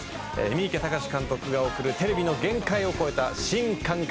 三池崇史監督が送るテレビの限界を超えた新感覚サスペンスです。